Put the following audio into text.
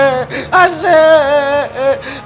seh aduh seh